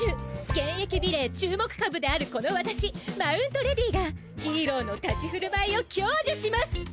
現役美麗注目株であるこの私Ｍｔ．レディがヒーローの立ち振る舞いを教授します！